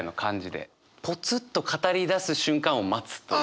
ポツッと語りだす瞬間を待つという。